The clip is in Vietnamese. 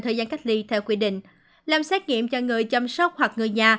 thời gian cách ly theo quy định làm xét nghiệm cho người chăm sóc hoặc người nhà